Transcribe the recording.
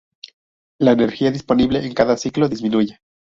La energía disponible en cada ciclo disminuye.